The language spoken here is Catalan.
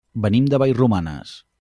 Venim de Vallromanes.